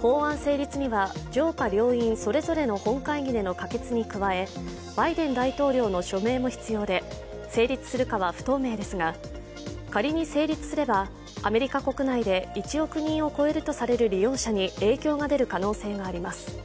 法案成立には上下両院それぞれの本会議の可決に加えバイデン大統領の署名も必要で成立するかは不透明ですが、仮に成立すれば、アメリカ国内で１億人を超えるとされる利用者に影響が出る可能性があります。